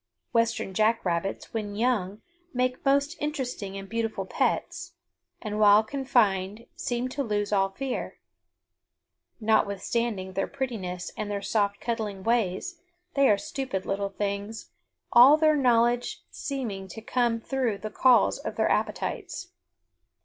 Western jack rabbits when young make most interesting and beautiful pets, and, while confined, seem to lose all fear. Notwithstanding their prettiness and their soft cuddling ways, they are stupid little things, all their knowledge seeming to come through the calls of their appetites.